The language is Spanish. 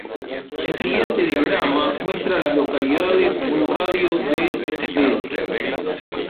El siguiente diagrama muestra a las localidades en un radio de de.